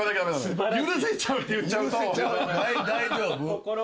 大丈夫？